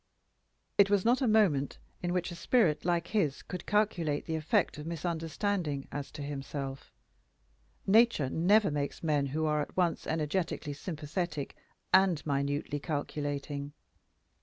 It was not a moment in which a spirit like his could calculate the effect of misunderstanding as to himself: nature never makes men who are at once energetically sympathetic and minutely calculating.